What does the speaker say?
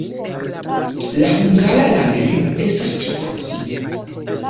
La hungara landlimo estas tre proksime.